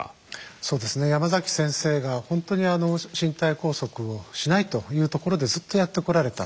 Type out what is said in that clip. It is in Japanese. そうですね山崎先生が本当に身体拘束をしないというところでずっとやってこられた。